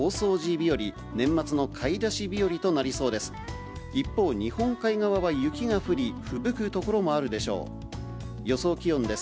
日和、年末の買い出し日和となりそうです。